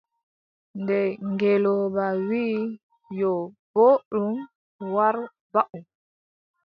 Nde ngeelooba wii :« yo, booɗɗum war waʼu. ».